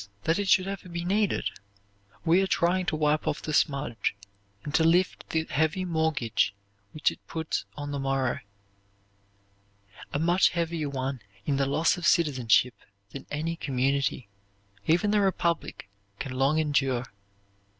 that it should ever be needed we are trying to wipe off the smudge, and to lift the heavy mortgage which it put on the morrow, a much heavier one in the loss of citizenship than any community, even the republic, can long endure.